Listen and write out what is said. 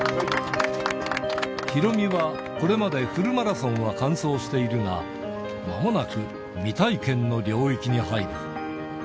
ヒロミはこれまでフルマラソンは完走しているが、まもなく未体験の領域に入る。